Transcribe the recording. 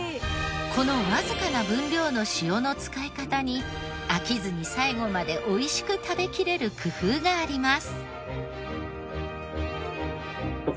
このわずかな分量の塩の使い方に飽きずに最後までおいしく食べきれる工夫があります。